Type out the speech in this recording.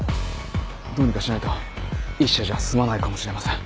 どうにかしないと１社じゃ済まないかもしれません。